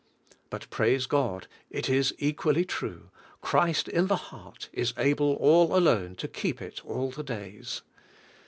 But, praise God ! it is equally true, Christ in the heart is able all alone to keep it all the days.